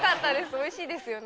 おいしいですよね。